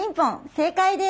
正解です！